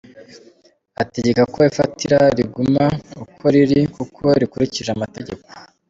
Ategeka ko ifatira riguma uko riri kuko rikurikije amategeko.